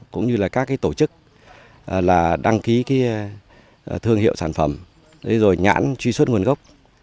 cũng như các tổ chức đăng ký thương hiệu sản phẩm nhãn truy xuất nguồn gốc